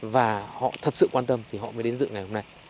và họ thật sự quan tâm thì họ mới đến dự ngày hôm nay